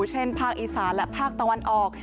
ภาคอีสานและภาคตะวันออก